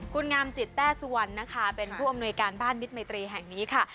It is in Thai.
คุณงามจิตแต้สุวรรณนะคะเป็นผู้อำนวยการบ้านมิตรมัยตรีแห่งนี้ค่ะ